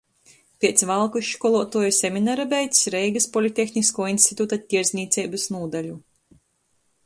Piec Valkys školuotuoju seminara beidzs Reigys Politehniskuo instituta Tierdznīceibys nūdaļu,